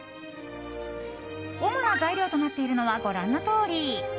主な材料となっているのはご覧のとおり。